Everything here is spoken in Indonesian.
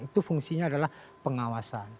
itu fungsinya adalah pengawasan